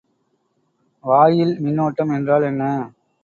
வாயில்மின்னோட்டம் என்றால் என்ன?